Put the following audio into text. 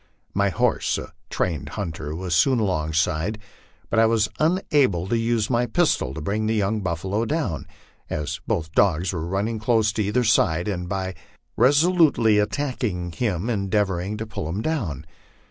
My horse, a trained hunter, was soon alongside, but I was unable to use my pistol to bring the young buf falo down, as both the dogs were running close to either side, and by resolutely attacking him endeavoring to pull him down.